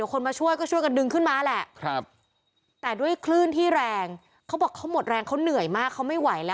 ครองเขาตกไม่ไหวล่ะ